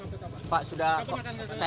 pak sudah time nya sudah komunikasi pak